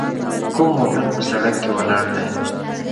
کوم موټر په سړک کې ولاړ دی؟